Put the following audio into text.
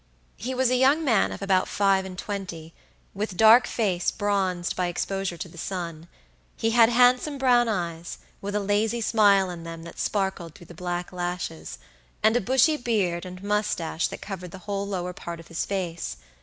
He was a young man of about five and twenty, with dark face bronzed by exposure to the sun; he had handsome brown eyes, with a lazy smile in them that sparkled through the black lashes, and a bushy beard and mustache that covered the whole lower part of his face.